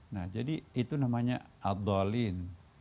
nah jadi itu namanya ad dalil